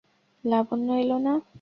লাবণ্য এল না।